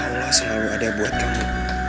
allah selalu ada buat kamu